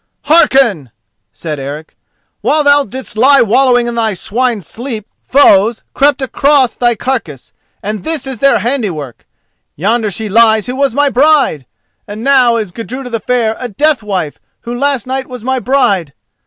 "Hearken!" said Eric: "while thou didst lie wallowing in thy swine's sleep, foes crept across thy carcase, and this is their handiwork:—yonder she lies who was my bride!—now is Gudruda the Fair a death wife who last night was my bride!